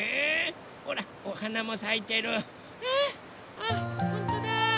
あっほんとだ。